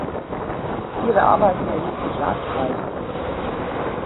Ihre Arbeiten erhielten Staatspreise.